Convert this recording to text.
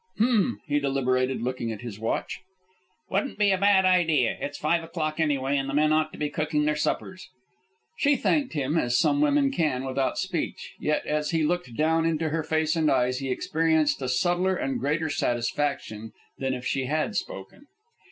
"Hum," he deliberated, looking at his watch. "Wouldn't be a bad idea. It's five o'clock, anyway, and the men ought to be cooking their suppers." She thanked him, as some women can, without speech; yet, as he looked down into her face and eyes, he experienced a subtler and greater satisfaction than if she had spoken.